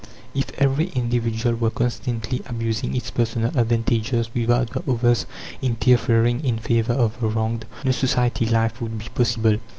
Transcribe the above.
If every individual were constantly abusing its personal advantages without the others interfering in favour of the wronged, no society life would be possible.